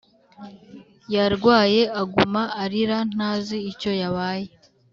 Yarwaye aguma arira ntazi icyo yabaye